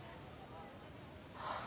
はあ。